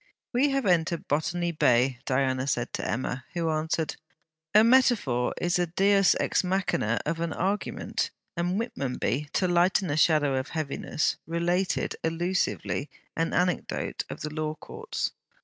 'We have entered Botany Bay,' Diana said to Emma; who answered: 'A metaphor is the Deus ex machine, of an argument'; and Whitmonby, to lighten a shadow of heaviness, related allusively an anecdote of the Law Courts.